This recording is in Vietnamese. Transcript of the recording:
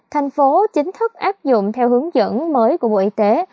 thành phố chính thức áp dụng theo hướng dẫn mới của bộ y tế